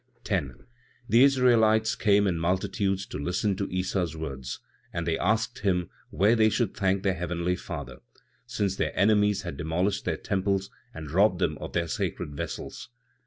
10. The Israelites came in multitudes to listen to Issa's words; and they asked him where they should thank their Heavenly Father, since their enemies had demolished their temples and robbed them of their sacred vessels.